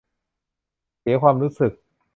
เสียความรู้สึก